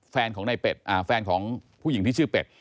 แฟนของในเป็ดแฟนของผู้หญิงที่ชื่อเป็ด